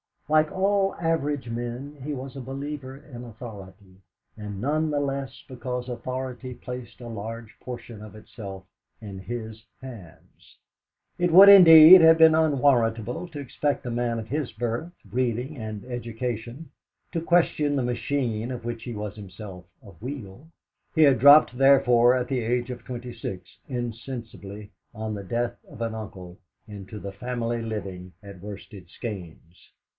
Like all average men, he was a believer in authority, and none the less because authority placed a large portion of itself in his hands. It would, indeed, have been unwarrantable to expect a man of his birth, breeding, and education to question the machine of which he was himself a wheel. He had dropped, therefore, at the age of twenty six, insensibly, on the death of an uncle, into the family living at Worsted Skeynes.